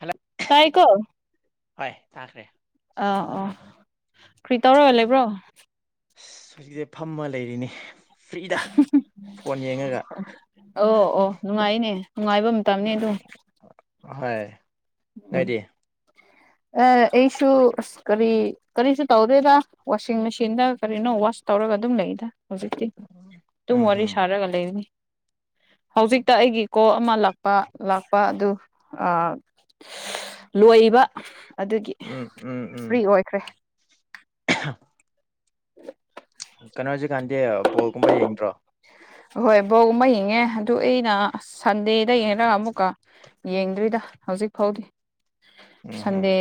Hello ꯇꯥꯏꯀꯣ ꯍꯣꯏ ꯇꯥꯈ꯭ꯔꯦ ꯑꯥ ꯑꯥ ꯀꯔꯤ ꯇꯧꯔ ꯂꯩꯕ꯭ꯔꯣ ꯑꯁ ꯍꯧꯖꯤꯛꯁꯦ ꯐꯝꯃ ꯂꯩꯔꯤꯅꯤ ꯐ꯭ꯔꯤꯗ ꯐꯣꯟ ꯌꯦꯡꯉꯒ ꯑꯣ ꯑꯣ ꯅꯨꯡꯉꯥꯏꯅꯦ ꯅꯨꯡꯉꯥꯏꯕ ꯃꯇꯝꯅꯤꯅꯦ ꯑꯗꯨ ꯍꯣꯏ ꯎꯝ ꯅꯣꯏꯗꯤ ꯑ ꯑꯩꯁꯨ ꯀꯔꯤ ꯀꯔꯤꯁꯨ ꯇꯧꯗꯣꯏꯔ ꯋꯥꯁꯤꯡ ꯃꯦꯆꯤꯟꯗ ꯀꯔꯤꯅꯣ ꯋꯥꯁ ꯇꯧꯔꯒ ꯑꯗꯨꯝ ꯂꯩꯗ ꯍꯧꯖꯤꯛꯇꯤ ꯇꯨꯝ ꯎꯝ ꯋꯥꯔꯤ ꯎꯝ ꯁꯥꯔꯒ ꯂꯩꯔꯅꯤ ꯍꯧꯖꯤꯛꯇ ꯑꯩꯒꯤ ꯀꯣꯜ ꯑꯃ ꯂꯥꯛꯄ ꯂꯥꯛꯄ ꯑꯗꯨ ꯑꯥ ꯂꯣꯏꯕ ꯑꯗꯨꯒꯤ ꯎꯝ ꯎꯝ ꯎꯝ ꯐ꯭ꯔꯤ ꯑꯣꯏꯈ꯭ꯔꯦ [inaudible] ꯀꯅꯣꯖꯤ ꯀꯥꯟꯗꯤ ꯕꯣꯜꯒꯨꯝꯕ ꯌꯦꯡꯗ꯭ꯔꯣ ꯍꯣꯏ ꯕꯣꯜ ꯃ ꯌꯦꯡꯉꯦ ꯑꯗꯨ ꯑꯩꯅ ꯁꯟꯗꯦꯗ ꯌꯦꯡꯉꯔꯒ ꯑꯃꯨꯛꯀ ꯌꯦꯡꯗ꯭ꯔꯤꯗ ꯍꯧꯖꯤꯛ ꯐꯥꯎꯗꯤ ꯎꯝ ꯎꯝ ꯁꯟꯗꯦ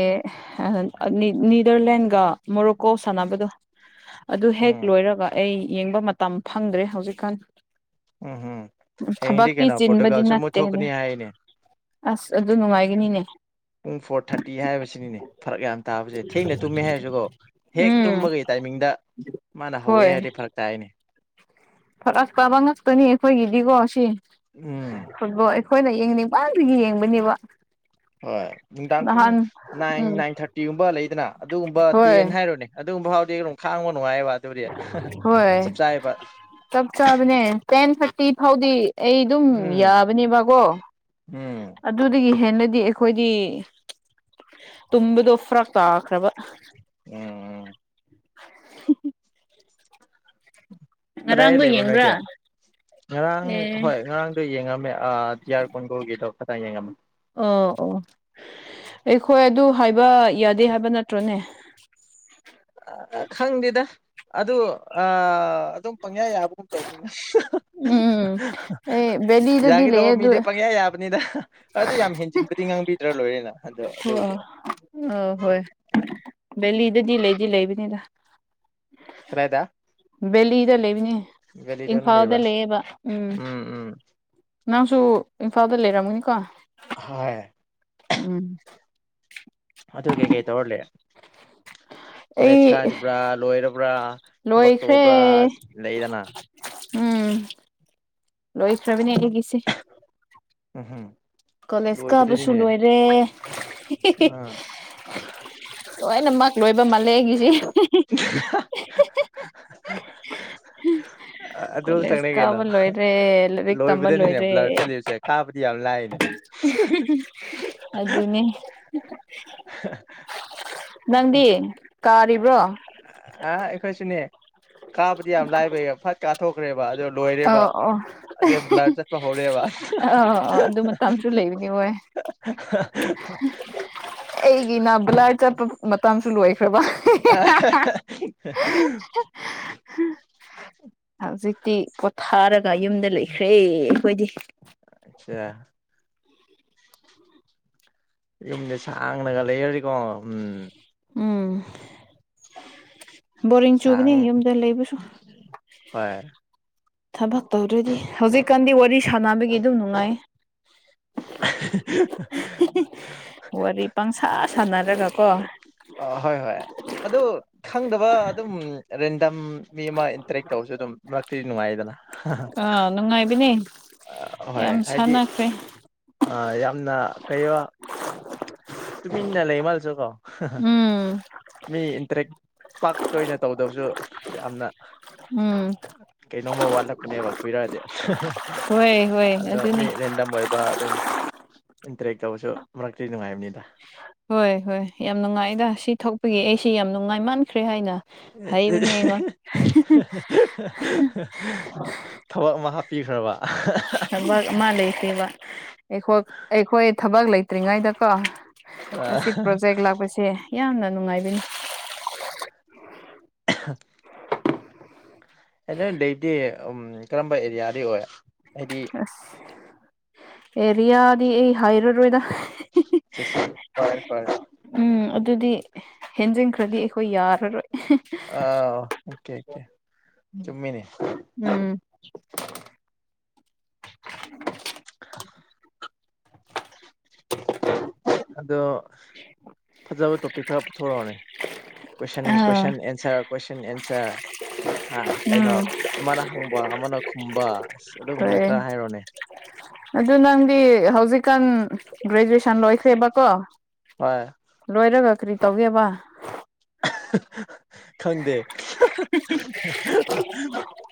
ꯅꯤ ꯅꯤꯗꯔꯂꯦꯟꯒ ꯃꯣꯔꯣꯀꯣ ꯁꯥꯟꯅꯕꯗꯣ ꯑꯗꯨ ꯍꯦꯛ ꯎꯝ ꯂꯣꯏꯔꯒ ꯑꯩ ꯌꯦꯡꯕ ꯃꯇꯝ ꯐꯪꯗ꯭ꯔꯦ ꯍꯧꯖꯤꯛꯀꯥꯟ ꯎꯝ ꯍꯨꯝ ꯍꯌꯦꯡꯗꯤ ꯊꯕꯛꯇꯤ ꯀꯩꯅꯣ ꯆꯤꯟꯕꯗꯤ ꯄꯣꯔꯇꯨꯒꯥꯜꯁꯨ ꯃꯨꯛ ꯅꯠꯇꯦ ꯑꯗꯨ ꯊꯣꯛꯀꯅꯤ ꯍꯥꯏꯅꯦ ꯑꯁ ꯑꯗꯨ ꯅꯨꯡꯉꯥꯏꯒꯅꯤꯅꯦ ꯄꯨꯡ ꯐꯣꯔ ꯊꯥꯔꯇꯤ ꯍꯥꯏꯕꯁꯤꯅꯤꯅꯦ ꯐꯔꯛ ꯌꯥꯝ ꯇꯥꯕꯁꯦ ꯊꯦꯡꯅ ꯇꯨꯝꯃꯦ ꯍꯥꯏꯔꯖꯨꯀꯣ ꯍꯦꯛ ꯎꯝ ꯇꯨꯝꯕꯒꯤ ꯇꯥꯏꯃꯤꯡꯗ ꯃꯥꯅ ꯍꯧꯋꯦ ꯍꯣꯏ ꯍꯥꯏꯔꯗꯤ ꯐꯔꯛ ꯇꯥꯏꯅꯦ ꯐꯔꯛ ꯇꯥꯕ ꯉꯥꯛꯇꯅꯤ ꯑꯩꯈꯣꯏꯒꯤꯗꯤꯀꯣ ꯁꯤ ꯎꯝ ꯐꯨꯠꯕꯣꯜ ꯈꯣꯏꯅ ꯌꯦꯡꯅꯤꯡꯃꯟꯕꯒꯤ ꯌꯦꯡꯕꯅꯤꯕ ꯍꯣꯏ ꯅꯨꯡꯗꯥꯡ ꯄꯨꯡ ꯅꯥꯏꯟ ꯎꯝ ꯅꯥꯏꯟ ꯊꯥꯔꯇꯤꯒꯨꯝꯕ ꯂꯩꯗꯅ ꯑꯗꯨꯒꯨꯝꯕ ꯍꯣꯏ ꯇꯦꯟ ꯍꯥꯏꯔꯣꯅꯦ ꯑꯗꯨꯒꯨꯝꯕ ꯐꯥꯎꯗꯤ ꯑꯗꯨꯝ ꯈꯥꯡꯕ ꯅꯨꯡꯉꯥꯏꯑꯕ ꯑꯗꯨꯗꯤ ꯍꯣꯏ ꯆꯞ ꯆꯥꯏꯕ ꯆꯞ ꯆꯥꯕꯅꯦ ꯇꯦꯟ ꯊꯥꯔꯇꯤ ꯐꯥꯎꯗꯤ ꯑꯩ ꯗꯨꯝ ꯎꯝ ꯌꯥꯕꯅꯦꯕꯀꯣ ꯎꯝ ꯑꯗꯨꯗꯒꯤ ꯍꯦꯟꯅꯗꯤ ꯑꯩꯈꯣꯏꯗꯤ ꯇꯨꯝꯕꯗꯣ ꯐꯔꯛ ꯇꯥꯈ꯭ꯔꯕ ꯎꯝ ꯎꯝ [inaudible] ꯀꯗꯥꯏꯗ ꯉꯔꯥꯡꯗꯣ ꯂꯩꯕ꯭ꯔꯣ ꯌꯦꯡꯕ꯭ꯔꯥ ꯅꯣꯏꯗꯤ ꯉꯔꯥꯡ ꯑꯦ ꯍꯣꯏ ꯉꯔꯥꯡꯗꯣ ꯌꯦꯡꯉꯝꯃꯦ ꯑꯥ ꯗꯤ ꯑꯥꯔ ꯀꯣꯟꯒꯜꯒꯤꯗꯣ ꯈꯇꯪ ꯌꯦꯡꯉꯝꯃꯦ ꯑꯣ ꯑꯣ ꯑꯩꯈꯣꯏ ꯑꯗꯨ ꯍꯥꯏꯕ ꯌꯥꯗꯦ ꯍꯥꯏꯕ ꯅꯠꯇ꯭ꯔꯣꯅꯦ ꯑ ꯈꯪꯗꯦꯗ ꯑꯗꯨ ꯑꯥ ꯑꯗꯨꯝ ꯄꯪꯌꯥ ꯌꯥꯕꯒꯨꯝ ꯇꯧꯕꯅꯤꯗ ꯎꯝ ꯑꯦ ꯕꯦꯂꯤꯗꯗꯤ ꯂꯩꯌꯦ ꯌꯥꯒꯤꯗꯧꯕ ꯑꯗꯨ ꯃꯤꯗꯤ ꯄꯪꯌꯥ ꯌꯥꯕꯅꯤꯗ ꯑꯗꯨ ꯌꯥꯝ ꯍꯦꯟꯖꯤꯟꯕꯗꯤ ꯉꯥꯡꯕꯤꯗ꯭ꯔꯥ ꯂꯣꯏꯔꯦꯅ ꯑꯗꯣ ꯑꯗꯨꯕꯨꯗꯤ ꯑ ꯍꯣꯏ ꯕꯦꯂꯤꯗꯗꯤ ꯂꯩꯗꯤ ꯂꯩꯕꯅꯤꯗ ꯀꯔꯥꯏꯗ ꯕꯦꯂꯤꯗ ꯂꯩꯕꯅꯦ ꯚꯦꯂꯤꯗ ꯑꯗꯨꯝ ꯏꯝꯐꯥꯜꯗ ꯂꯩꯕ꯭ꯔꯥ ꯂꯩꯌꯦꯕ ꯎꯝ ꯅꯪꯁꯨ ꯏꯝꯐꯥꯜꯗ ꯂꯩꯔꯝꯒꯅꯤꯀꯣ ꯍꯥꯏ ꯎꯝ ꯑꯗꯨ ꯀꯩ ꯀꯩ ꯇꯧꯔꯂꯦ ꯀꯣꯂꯦꯖ ꯑꯩ ꯀꯥꯔꯤꯕ꯭ꯔꯥ ꯂꯣꯏꯔꯕ꯭ꯔꯥ ꯊꯕꯛ ꯂꯣꯏꯈ꯭ꯔꯦ ꯇꯧꯕ꯭ꯔꯥ ꯂꯩꯗꯅ ꯎꯝ ꯂꯣꯏꯈ꯭ꯔꯕꯅꯦ ꯑꯩꯗꯤꯒꯤꯁꯦ ꯎꯝ ꯍꯝ ꯀꯣꯂꯦꯖ ꯀꯥꯕꯁꯨ ꯂꯣꯏꯔꯦ ꯑꯥ ꯂꯣꯏꯅꯃꯛ ꯂꯣꯏꯕ ꯃꯥꯜꯂꯦꯒꯤꯁꯤ [unintelligible] ꯑꯗꯨ ꯀꯣꯂꯦꯖ ꯇꯪꯅ‌ꯦ ꯀꯩꯅꯣ ꯀꯥꯕ ꯂꯣꯏꯔꯦ ꯂꯥꯏꯔꯤꯛ ꯇꯝꯕ ꯂꯣꯏꯕꯗꯅꯤꯅꯦ ꯂꯣꯏꯔꯦ ꯕ꯭ꯂꯔ ꯆꯠꯂꯤꯕꯁꯦ ꯀꯥꯕꯗꯤ ꯌꯥꯝ ꯂꯥꯏꯅꯦ ꯫ ꯑꯗꯨꯅꯦ ꯅꯪꯗꯤ ꯀꯥꯔꯤꯕ꯭ꯔꯣ? ꯑ ꯑꯩꯈꯣꯏꯁꯨꯅꯦ ꯀꯥꯕꯗꯤ ꯌꯥꯝ ꯂꯥꯏꯕꯩ ꯐꯠ ꯀꯥꯊꯣꯛꯈ꯭ꯔꯦꯕ ꯑꯗ‌ꯣ ꯂꯣꯏꯔꯦꯕ ꯑꯣ ꯑꯣ ꯑꯗꯨꯏ ꯕ꯭ꯂꯥꯔ ꯆꯠꯄ ꯍꯧꯔꯦꯕ ꯍꯥ ꯑꯥ ꯑꯥ ꯍꯥ ꯑꯗꯨ ꯃꯇꯝꯁꯨ ꯍꯥ ꯂꯩꯕꯅꯤ ꯍꯣꯏ [unintelligible] ꯑꯩꯒꯤꯅ ꯕ꯭ꯂꯥꯔ ꯆꯠꯄ ꯃꯇꯝꯁꯨ ꯂꯣꯏꯈ꯭ꯔꯕ ꯍꯥ ꯑ [unintelligible] ꯍꯧꯖꯤꯛꯇꯤ ꯄꯣꯊꯥꯔꯒ ꯌꯨꯝꯗ ꯂꯩꯈ꯭ꯔꯦ ꯑꯩꯈꯣꯏꯗꯤ ꯑꯠꯁꯥ ꯌꯨꯝꯗ ꯁꯥꯡꯅꯒ ꯂꯩꯔꯗꯤꯀꯣ ꯎꯝ ꯎꯝ ꯕꯣꯔꯤꯡ ꯆꯨꯕꯅꯤ ꯁꯥꯡ ꯌꯨꯝꯗ ꯂꯩꯕꯁꯨ ꯍꯣꯏ ꯊꯕꯛ ꯇꯧꯗ꯭ꯔꯗꯤ ꯍꯧꯖꯤꯛꯀꯥꯟꯗꯤ ꯋꯥꯔꯤ ꯁꯥꯟꯅꯕꯒꯤ ꯑꯗꯨꯝ ꯅꯨꯡꯉꯥꯏ [unintelligible] ꯍꯦ ꯍꯦ ꯋꯥꯔꯤ ꯄꯪꯁꯥ ꯁꯥꯟꯅꯔꯒꯀꯣ ꯑ ꯍꯣꯏ ꯍꯣꯏ ꯑꯗꯨ ꯈꯪꯗꯕ ꯑꯗꯨꯝ ꯔꯦꯟꯗꯝ ꯃꯤ ꯑꯃ ꯏꯟꯇꯔꯦꯛ ꯇꯧꯔꯁꯨ ꯑꯗꯨꯝ ꯃꯔꯛꯇꯗꯤ ꯅꯨꯡꯉꯥꯏꯌꯦꯗꯅ ꯑꯥ ꯅꯨꯡꯉꯥꯏꯕꯅꯦ ꯌꯥꯝ ꯁꯥꯟꯅꯈ꯭ꯔꯦ ꯑꯥ ꯌꯥꯝꯅ ꯀꯩꯕ ꯇꯨꯃꯤꯟꯅ ꯂꯩꯃꯥꯜꯂꯁꯨ ꯀꯣ ꯍꯥ ꯍꯥ ꯎꯝ ꯃꯤ ꯏꯟꯇꯔꯦꯛ ꯄꯥꯛ ꯇ‌ꯣꯏꯅ ꯇꯧꯗꯕꯁꯨ ꯌꯥꯝꯅ ꯎꯝ ꯀꯩꯅꯣꯝꯃ ꯋꯥꯠꯂꯛꯄꯅꯦꯕ ꯀꯨꯏꯔꯛ ꯑꯗꯤ ꯍꯥ ꯍꯥ ꯍꯣꯏ ꯍꯣꯏ ꯑꯗꯣ ꯃꯤ ꯑꯗꯨꯅꯤ ꯔꯦꯟꯗꯝ ꯑꯣꯏꯕ ꯑꯗꯨꯝ ꯏꯟꯇꯔꯦꯛ ꯇꯧꯕꯁꯨ ꯃꯔꯛꯇꯤ ꯅꯨꯡꯉꯥꯏꯕꯅꯤꯗ ꯍꯣꯏ ꯍꯣꯏ ꯌꯥꯝ ꯅꯨꯡꯉꯥꯏꯗ ꯁꯤ ꯊꯣꯛꯄꯒꯤ ꯑꯩꯁꯤ ꯌꯥꯝ ꯅꯨꯡꯉꯥꯏ ꯃꯥꯟꯈ꯭ꯔꯦ ꯍꯥꯏꯅ ꯑꯦꯍꯦ ꯍꯩꯕꯅꯦ ꯑꯩꯉꯣꯟ ꯍꯦ ꯍꯦ ꯍꯥ ꯊꯕꯛ ꯑꯃ ꯍꯞ ꯄꯤꯈ꯭ꯔꯕ ꯑꯍꯥ ꯑꯍꯥ ꯍꯥ ꯀꯩꯕ ꯑꯩꯈ‌ꯣ ꯑꯩꯈꯣꯏ ꯊꯕꯛ ꯂꯩꯇ꯭ꯔꯤꯉꯩꯗꯀꯣ ꯑꯁꯤ ꯄ꯭ꯔꯣꯖꯦꯛ ꯂꯥꯛꯄꯁꯦ ꯌꯥꯝꯅ ꯅꯨꯡꯉꯥꯏꯕꯅꯤ [inaudible] ꯑꯥ ꯅꯣꯏ ꯂꯩꯗꯤ ꯀꯔꯝꯕ ꯑꯦꯔꯤꯌꯥ ꯗꯩ ꯑꯣꯏ ꯍꯥꯏꯗꯤ ꯑꯁ ꯑꯦꯔꯤꯌꯥꯗꯤ ꯑꯩ ꯍꯥꯏꯔꯔ‌ꯣꯏꯗ [unintelligible] ꯐꯔꯦ ꯐꯔꯦ ꯎꯝ ꯑꯗꯨꯗꯤ ꯍꯦꯟꯖꯤꯟꯈ꯭ꯔꯗꯤ ꯑꯩꯈꯣꯏ ꯌꯥꯔꯔꯣꯏ ꯑꯥ ꯑꯣꯀꯦ ꯑꯣꯀ‌ꯦ ꯆꯨꯝꯃꯤꯅꯦ ꯎꯝ [inaudible] [inaudible] ꯑꯗꯣ ꯐꯖꯕ ꯇꯣꯄꯤꯛ ꯈꯔ ꯄꯨꯊꯣꯔꯛ ꯑꯣꯅꯦ ꯀ‌ꯣꯏꯁꯟ ꯑꯥ ꯀ‌ꯣꯏꯁꯟ ꯑꯦꯟꯁꯔ ꯀ‌ꯣꯏꯁꯟ ꯑꯦꯟꯁꯔ ꯑꯥ ꯎꯝ ꯀꯩꯅꯣ ꯑꯃꯅ ꯍꯪꯕ ꯑꯃꯅ ꯈꯨꯝꯕ ꯑꯗꯨꯒꯨꯝꯕ ꯍꯣꯏ ꯈꯔ ꯍꯥꯏꯔꯣꯅꯦ ꯑꯗꯨ ꯅꯪꯗꯤ ꯍꯧꯖꯤꯛꯀꯥꯟ ꯒ꯭ꯔꯦꯖꯨꯑꯦꯁꯟ ꯂꯣꯏꯈ꯭ꯔꯦꯕꯀꯣ ꯍ‌ꯣꯏ ꯂꯣꯏꯔꯒ ꯀ꯭ꯔꯤ ꯇꯧꯒꯦꯕ ꯑꯍꯥ ꯍꯥ ꯈꯪꯗꯦ ꯍꯥ ꯍꯥ ꯍꯥ ꯍꯥ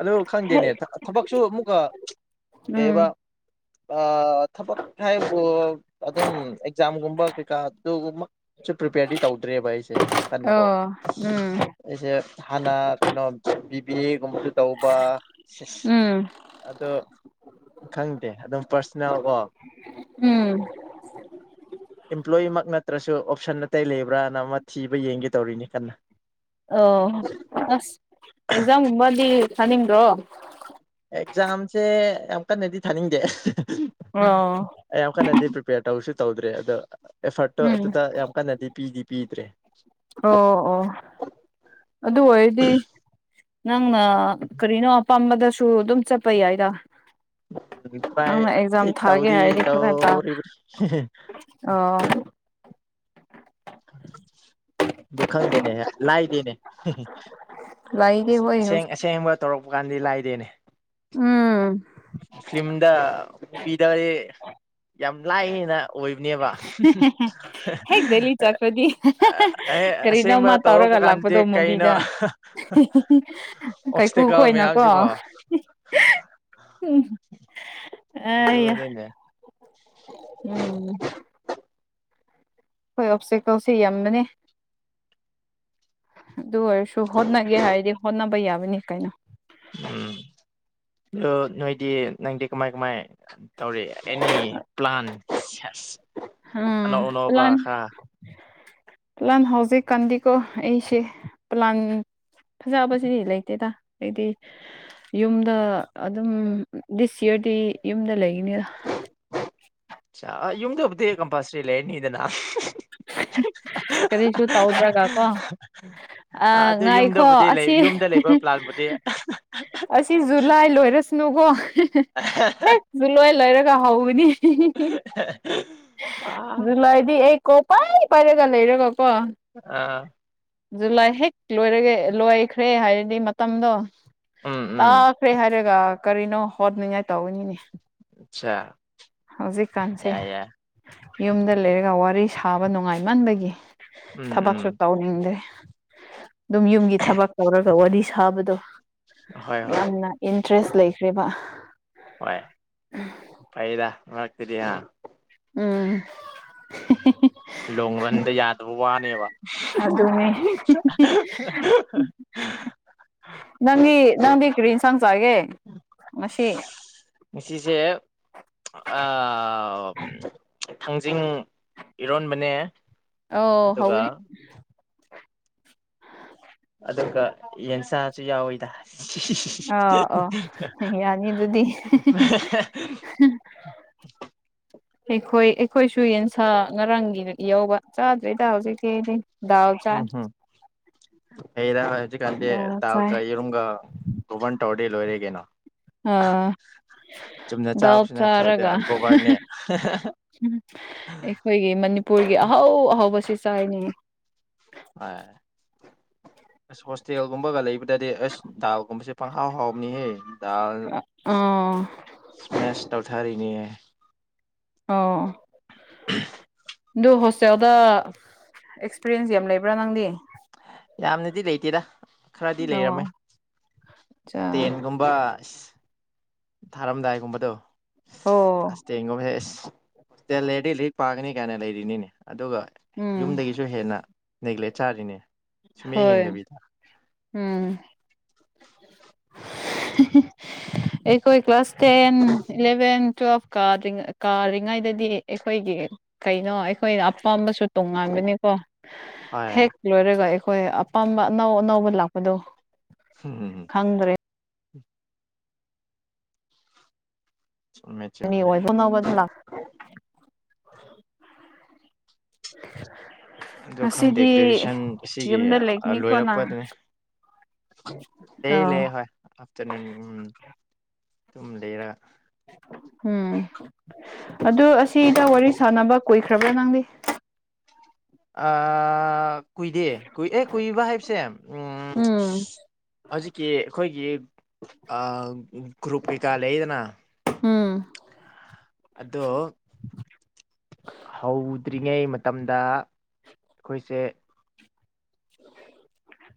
ꯑꯗꯨ ꯈꯪꯗꯦꯅꯦ ꯊꯥ ꯊꯥꯕꯛꯁꯨ ꯑꯃꯨꯛꯀ ꯎꯝ ꯀꯩꯌ‌ꯦꯕ ꯑꯥ ꯊꯕꯛ ꯉꯥꯏꯁꯨ ꯑꯗꯨꯝ ꯑꯦꯛꯖꯥꯝꯒꯨꯝꯕ ꯀꯩꯀꯥ ꯑꯗꯨꯃꯛ ꯆꯨꯄꯔꯤꯄꯦꯔꯤꯗꯤ ꯇꯧꯗ꯭ꯔꯦꯕ ꯑꯩ ꯑꯣ ꯎꯝ ꯑꯩꯁꯦ ꯍꯥꯟꯅ ꯀꯩꯅꯣ ꯕꯤ꯬ꯕꯤ꯬ꯑꯦꯒꯨꯝꯕꯁꯨ ꯇꯧꯕ ꯁꯤꯁ ꯎꯝ ꯑꯗꯨ ꯈꯪꯗꯦ ꯑꯗꯨꯝ ꯄ꯭ꯔꯁꯦꯅꯦꯜꯀꯣ ꯎꯝ ꯑꯝꯄ꯭ꯂꯣꯌꯤꯃꯛ ꯅꯠꯇ꯭ꯔꯁꯨ ꯑꯣꯞꯁꯟ ꯑꯇꯩ ꯂꯩꯕ꯭ꯔꯥꯅ ꯑꯃ ꯊꯤꯕ ꯌꯦꯡꯒꯦ ꯇꯧꯔꯤꯅꯤ ꯀꯟꯅ ꯑꯣ ꯑꯁ ꯑꯦꯛꯖꯥꯝꯒꯨꯝꯕꯗꯤ ꯊꯥꯅꯤꯡꯗ꯭ꯔꯣ ꯑꯦꯛꯖꯥꯝꯁꯦ ꯌꯥꯝ ꯀꯟꯅꯗꯤ ꯊꯥꯅꯤꯡꯗꯦ ꯑꯣ ꯑꯩ ꯌꯥꯝ ꯀꯟꯅꯗꯤ ꯄ꯭ꯔꯤꯄꯦꯌꯔ ꯇꯧꯔꯁꯨ ꯇꯧꯗ꯭ꯔꯦ ꯑꯗꯣ ꯑꯦꯐꯔꯠꯇꯣ ꯎꯝ ꯑꯗꯨꯗ ꯌꯥꯝ ꯀꯟꯅꯗꯤ ꯄꯤꯗꯤ ꯄꯤꯗ꯭ꯔꯦ ꯑꯣ ꯑꯣ ꯑꯗꯨ ꯑꯣꯏꯔꯗꯤ ꯅꯪꯅ ꯀꯔꯤꯅꯣ ꯑꯄꯥꯝꯕꯗꯁꯨ ꯑꯗꯨꯝ ꯆꯠꯄ ꯌꯥꯏꯗ ꯇ꯭ꯔꯥꯏ ꯅꯪꯅ ꯑꯦꯛꯖꯥꯝ ꯇꯤꯛ ꯊꯥꯒꯦ ꯇꯧꯗꯤ ꯍꯥꯏꯗꯤ ꯈꯔ ꯇꯥ ꯇꯧꯔꯤꯕꯅꯤ ꯑꯥ ꯗꯨꯈꯪꯗꯦꯅꯦ ꯂꯥꯏꯗꯦꯅꯦ ꯂꯥꯏꯗꯤ ꯍꯣꯏ ꯍꯧ ꯑꯁꯦꯡ ꯑꯁꯦꯡꯕ ꯇꯧꯔꯛꯄ ꯀꯥꯟꯗꯗꯤ ꯂꯥꯏꯗꯦꯅꯦ ꯍꯥ ꯐꯤꯂꯝꯗ ꯇꯤꯚꯤꯗ ꯌꯥꯝ ꯂꯥꯏꯅ ꯎꯏ ꯅꯦꯕ ꯍꯦꯛ ꯗꯦꯜꯂꯤ ꯆꯠꯈ꯭ꯔꯗꯤ ꯑꯩ ꯑꯁꯦꯡꯕ ꯀꯔꯤꯅꯣꯃ ꯇꯧꯔꯛꯄ ꯇꯧꯔꯒ ꯀꯥꯟꯗꯤ ꯂꯥꯛꯄꯗꯣ ꯀꯩꯅꯣ ꯃꯨꯚꯤꯗ ꯀꯥꯏꯀꯨ ꯑꯣꯞꯁꯇꯦꯀꯦꯜ ꯈꯣꯏꯅꯀꯣ ꯃꯌꯥꯝꯁꯤꯀꯣ [unintelligible] ꯑꯩꯌꯥ ꯂꯨꯔꯦꯅꯦ ꯎꯝ ꯑꯩꯈꯣꯏ ꯑꯣꯞꯇꯦꯀꯦꯜꯁꯦ ꯌꯥꯝꯕꯅꯤ ꯑꯗꯨ ꯑꯣꯏꯔꯁꯨ ꯍꯣꯠꯅꯒꯦ ꯍꯥꯏꯔꯗꯤ ꯍꯣꯠꯅꯕ ꯌꯥꯕꯅꯤ ꯀꯩꯅꯣ ꯎꯝ ꯑꯗꯨ ꯅꯣꯏꯗꯤ ꯅꯪꯗꯤ ꯀꯃꯥꯏꯟ ꯀꯃꯥꯏꯟ ꯇꯧꯔꯤ ꯑꯦꯅꯤ ꯄ꯭ꯂꯥꯟ ꯁꯦꯁ ꯍꯝ ꯑꯅꯧ ꯑꯅꯧꯕ ꯄ꯭ꯂꯥꯟ ꯈꯔ ꯄ꯭ꯂꯥꯟ ꯍꯧꯖꯤꯛ ꯀꯥꯟꯗꯤꯀꯣ ꯑꯩꯁꯦ ꯄ꯭ꯂꯥꯟ ꯐꯖꯕꯁꯤ ꯂꯩꯇꯦꯗ ꯑꯩꯗꯤ ꯌꯨꯝꯗ ꯑꯗꯨꯝ ꯗꯤꯁ ꯌꯔꯗꯤ ꯌꯨꯝꯗ ꯂꯩ ꯏꯅ ꯆꯥ ꯌꯨꯝꯗꯕꯨꯗꯤ ꯀꯝꯄꯜꯁꯔꯤ ꯂꯩꯔꯅꯤꯗꯅ ꯀꯔꯤꯁꯨ ꯇꯧꯗ꯭ꯔꯒ ꯀꯣ ꯑꯥ ꯑꯗꯨ ꯉꯥꯏꯈꯣ ꯌꯨꯝꯗꯕꯨꯗꯤ ꯂꯩ ꯑꯁꯤ ꯌꯨꯝꯗ ꯂꯩꯕ ꯄ꯭ꯂꯥꯟꯕꯨꯗꯤ ꯑꯁꯤ ꯖꯨꯂꯥꯏ ꯂꯣꯏꯔꯁꯅꯨꯀꯣ ꯑꯥ ꯍꯥ ꯍꯥ ꯍꯦꯛ ꯖꯨꯂꯥꯏ ꯂꯩꯔꯒ ꯍꯧꯒꯅꯤ ꯖꯨꯂꯥꯏꯗꯤ ꯑꯩ ꯀꯣ ꯄꯥꯏ ꯄꯥꯏꯔꯒ ꯂꯩꯔꯒ ꯀꯣ ꯑꯥ ꯖꯨꯂꯥꯏ ꯍꯦꯛ ꯂꯣꯏꯔꯒ ꯂꯣꯏꯈ꯭ꯔꯦ ꯍꯥꯏꯔꯗꯤ ꯃꯠ ꯃꯇꯝꯗꯣ ꯎꯝ ꯎꯝ ꯇꯥꯈ꯭ꯔꯦ ꯍꯥꯏꯔꯒ ꯀꯔꯤꯅꯣ ꯍꯣꯠꯅꯤꯉꯥꯏ ꯇꯧꯒꯅꯤꯅꯦ ꯑꯆꯥ ꯍꯧꯖꯤꯛꯀꯥꯟꯁꯦ ꯌꯥꯏ ꯌꯥꯏ ꯌꯨꯝꯗ ꯂꯩꯔꯒ ꯋꯥꯔꯤ ꯁꯥꯕ ꯅꯨꯡꯉꯥꯏꯃꯟꯕꯒꯤ ꯎꯝ ꯊꯕꯛ ꯎꯝ ꯁꯨ ꯇꯧꯅꯤꯡꯗꯦ ꯑꯗꯨꯝ ꯌꯨꯝꯒꯤ ꯊꯕꯛ ꯇꯧꯔꯒ ꯋꯥꯔꯤ ꯁꯥꯕꯗꯣ ꯍꯣꯏ ꯍꯣꯏ ꯌꯥꯝꯅ ꯏꯟꯇꯔꯦꯁ ꯂꯩꯈ꯭ꯔꯦꯕ ꯍꯣꯏ ꯐꯩꯗ ꯃꯔꯛꯇꯗꯤ ꯑꯥ ꯎꯝ ꯍꯦꯍꯦꯍꯦ ꯂꯣꯡꯕꯟꯗ ꯌꯥꯗꯕ ꯋꯥꯅꯦꯕ ꯑꯗꯨꯅꯦ [unintelligible] ꯅꯪꯗꯤ ꯅꯪꯗꯤ ꯀꯔꯤ ꯢꯟꯁꯥꯡ ꯆꯥꯒꯦ ꯉꯁꯤ ꯉꯁꯤꯁꯦ ꯑꯥ ꯊꯥꯡꯖꯤꯡ ꯏꯔꯣꯟꯕꯅꯦ ꯑꯣ ꯑꯗꯨꯒ ꯍꯥꯎꯒꯅꯤ ꯑꯗꯨꯒ ꯌꯦꯟꯁꯥꯁꯨ ꯌꯥꯎꯋꯤꯗ ꯑꯥ ꯑꯥ ꯌꯥꯅꯤ ꯑꯗꯨꯗꯤ [unintelligible] [inaudible] ꯑꯩꯈꯣꯏ ꯑꯩꯈꯣꯏꯁꯨ ꯌꯦꯟꯁꯥ ꯉꯔꯥꯡꯒꯤ ꯌꯥꯎꯕ ꯆꯥꯗ꯭ꯔꯤꯗ ꯍꯧꯖꯤꯛꯇꯤ ꯑꯩꯗꯤ ꯗꯥꯜ ꯆꯥꯢ ꯀꯩꯔ ꯍꯧꯖꯤꯛ ꯀꯥꯟꯗꯤ ꯗꯥꯜ ꯆꯥꯏ ꯗꯥꯜꯒ ꯌꯦꯔꯨꯝꯒ [unintelligible] ꯇꯧꯔꯗꯤ ꯂꯣꯏꯔꯦ ꯀꯩꯅꯣ ꯑꯥ ꯆꯨꯝꯅ ꯗꯥꯜ ꯆꯥꯕꯁꯨ ꯅꯠꯇ꯭ꯔꯦ ꯆꯥꯔꯒ ꯍꯥ ꯒꯣꯕꯔꯅꯦ ꯍꯥ ꯎꯝ ꯑꯦꯛ ꯑꯩꯈꯣꯏꯒꯤ ꯃꯅꯤꯄꯨꯔꯒꯤ ꯑꯍꯧ ꯑꯍꯧꯕꯁꯤ ꯆꯥꯏꯅꯦ ꯍꯣꯢ ꯑꯁ ꯍꯣꯁꯇꯦꯜꯒꯨꯝꯕꯒ ꯂꯩꯕꯗꯗꯤ ꯑꯁ ꯗꯥꯜꯒꯨꯝꯕꯁꯦ ꯄꯪꯍꯥꯎ ꯍꯥꯎꯕꯅꯤꯍꯦ ꯗꯥꯜ ꯑꯣ ꯁꯃꯦꯁ ꯊꯧꯊꯔꯤꯅꯤꯌꯦ ꯑꯣ [unintelligible] ꯗꯨ ꯍꯣꯁꯇꯦꯜꯗ ꯑꯦꯛꯁꯄꯤꯔꯤꯌꯦꯟꯁ ꯌꯥꯝ ꯂꯩꯕ꯭ꯔꯥ ꯅꯪꯗꯤ ꯌꯥꯝꯅꯗꯤ ꯂꯩꯇꯦꯗ ꯈꯔꯗꯤ ꯂꯩꯔꯝꯃꯦ ꯑꯣ ꯆꯥ ꯇꯦꯟꯒꯨꯝꯕ ꯢꯁ ꯊꯥꯔꯝꯗꯥꯏꯒꯨꯝꯕꯗꯨ ꯑꯣ ꯇꯦꯟꯒꯨꯝꯕ ꯑꯦꯁ ꯇꯦꯟ ꯂꯩꯔꯗꯤ ꯂꯥꯢꯔꯤꯛ ꯄꯥꯒꯅꯤ ꯀꯥꯏꯅ ꯂꯩꯔꯤꯅꯤꯅꯦ ꯑꯗꯨꯒ ꯎꯝ ꯌꯨꯝꯗꯒꯤꯁꯨ ꯍꯦꯟꯅ ꯅꯦꯒ꯭ꯂꯦꯛ ꯆꯥꯔꯤꯅꯦ ꯁꯨꯡꯌꯦꯡ ꯍꯣꯏ ꯌꯦꯡꯗꯕꯤꯗ ꯎꯝ ꯍꯦ ꯍꯦ ꯑꯩꯈꯣꯏ ꯀ꯭ꯂꯥꯁ ꯇꯦꯟ ꯏꯂꯕꯦꯟ ꯇ꯭ꯋꯦꯜꯐ ꯀꯥꯗ꯭ꯔꯤ ꯀꯥꯔꯤꯉꯩꯗꯗꯤ ꯑꯩꯈꯣꯏꯒꯤ ꯀꯩꯅꯣ ꯑꯩꯈꯣꯏꯅ ꯑꯄꯥꯝꯕꯁꯨ ꯇꯣꯉꯥꯟꯕꯅꯦꯀꯣ ꯍꯣꯏ ꯍꯦꯛ ꯂꯣꯏꯔꯒ ꯑꯩꯈꯣꯏ ꯑꯄꯥꯝꯕ ꯑꯅꯧ ꯑꯅꯧꯕ ꯂꯥꯛꯄꯗꯣ ꯍꯝ ꯈꯪꯗ꯭ꯔꯦ ꯆꯨꯝꯃꯦ ꯆꯨꯝꯃꯦ [unintelligible] ꯑꯗꯣ ꯈꯪꯗꯦ ꯉꯁꯤꯗꯤ ꯒ꯭ꯔꯦꯖꯨꯋꯌꯦꯁꯟ ꯑꯁꯤꯒꯤ ꯌꯨꯝꯗ ꯑꯥ ꯂꯩꯒꯅꯤꯀꯣ ꯅꯪ ꯂꯣꯏꯔꯛꯄꯗꯨꯅꯦ ꯂꯩ ꯂꯩ ꯑꯧ ꯍꯣꯏ ꯑꯥꯐꯇꯔꯅꯨꯟ ꯎꯝ ꯑꯗꯨꯝ ꯂꯩꯔ ꯎꯝ ꯑꯗꯨ ꯑꯁꯤꯗ ꯋꯥꯔꯤ ꯁꯥꯟꯅꯕ ꯀꯨꯏꯈ꯭ꯔꯕ꯭ꯔꯥ ꯅꯪꯗꯤ ꯑꯥ ꯀꯨꯏꯗꯦ ꯀꯨꯏ ꯑꯦ ꯀꯨꯏꯕ ꯍꯥꯏꯕꯁꯦ ꯎꯝ ꯍꯧꯖꯤꯛꯀꯤ ꯑꯩꯈꯣꯏꯒꯤ ꯑꯥ ꯒ꯭ꯔꯨꯞ ꯀꯩꯀꯥ ꯂꯩꯌꯦꯗꯅ ꯎꯝ ꯑꯗꯣ ꯍꯧꯗ꯭ꯔꯤꯉꯩ ꯃꯇꯝꯗ ꯑꯩꯈꯣꯏꯁꯦ [unintelligible]